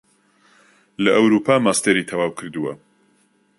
لە ئەوروپا ماستێری تەواو کردووە